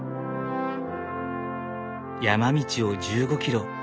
山道を１５キロ。